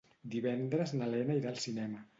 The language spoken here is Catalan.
Divendres na Lena irà al cinema.